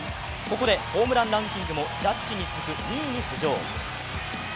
ここでホームランランキングもジャッジに次ぐ２位に浮上。